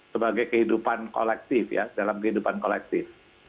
sebagai kehidupan kolektif ya dalam kehidupan kolektif